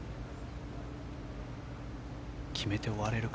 決めて終われるか。